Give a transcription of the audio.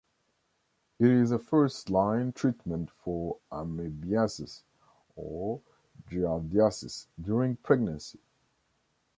It is a first line treatment for amebiasis or giardiasis during pregnancy.